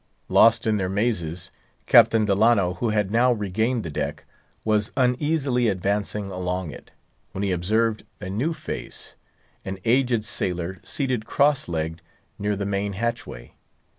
Lost in their mazes, Captain Delano, who had now regained the deck, was uneasily advancing along it, when he observed a new face; an aged sailor seated cross legged near the main hatchway.